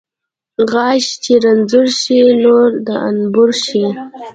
غاښ چې رنځور شي، نور د انبور شي.